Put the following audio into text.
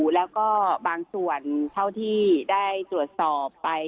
แล้วก็บางส่วนเท่าที่ได้สรุปไป